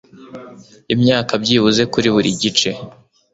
Imyaka byibuze kuri buri gice